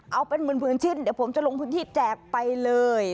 เอาเป็นหมื่นชิ้นเดี๋ยวผมจะลงพื้นที่แจกไปเลย